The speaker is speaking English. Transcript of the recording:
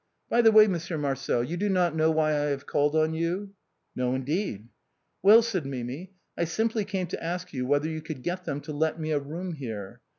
" By the way. Monsieur Marcel, you do not know why I have called on you ?" "No; indeed." " Well," said Mimi, " I simply came to ask you whether you could get them to let me a room here.